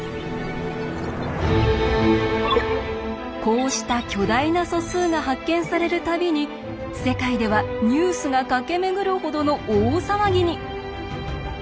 こうした巨大な素数が発見される度に世界ではニュースが駆け巡るほどの大騒ぎに！